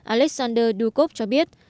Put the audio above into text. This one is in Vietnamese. alexander dukov cho biết